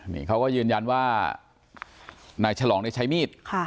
นี่เขาก็ยืนยันว่านายฉลองใช้มีด